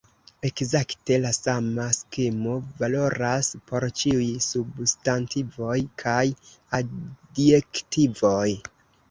Ekzakte la sama skemo valoras por ĉiuj substantivoj kaj adjektivoj.